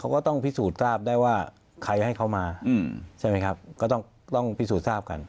เขาก็ต้องพิสูจน์ทราบได้ว่าใครให้เขามาใช่ไหมครับก็ต้องพิสูจน์ทราบกัน